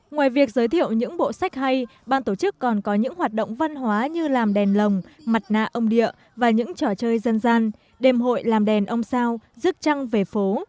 ngoài việc giới thiệu những bộ sách hay ban tổ chức còn có những hoạt động văn hóa như làm đèn lồng mặt nạ ông địa và những trò chơi dân gian đêm hội làm đèn ông sao rước trăng về phố